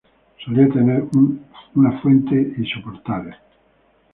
Solía tener una fuente y soportales.